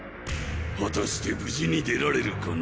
「はたして無事に出られるかな？」